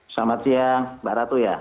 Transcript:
selamat siang mbak ratu ya